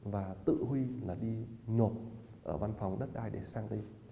và tự huy là đi nộp văn phòng đất đai để sang tên